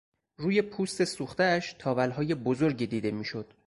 روی پوست سوختهاش تاولهای بزرگی دیده میشد.